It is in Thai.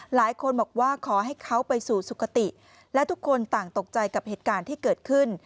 หลายคนบอกว่าขอให้เขาไปสู่สุขติและทุกคนต่างตกใจกับเหตุการณ์ที่เกิดขึ้น